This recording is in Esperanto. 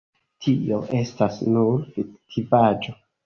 Tio estas nur fiktivaĵo.